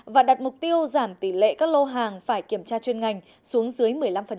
và đặt mục tiêu giảm tỷ lệ các lô hàng phải kiểm tra chuyên ngành xuống dưới một mươi năm